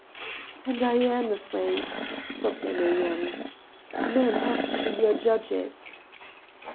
" And I am afraid," sobbed Emilienne. " Men have to be your judges."